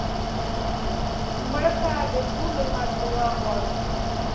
مړه ته د ټول امت دعا غواړو